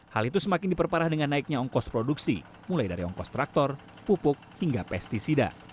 hal itu semakin diperparah dengan naiknya ongkos produksi mulai dari ongkos traktor pupuk hingga pesticida